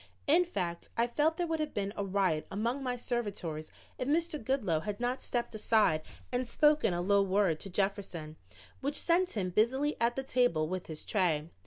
In fact, I felt there would have been a riot among my servitors if Mr. Goodloe had not stepped aside and spoken a low word to Jefferson, which sent him busily at the table with his tray.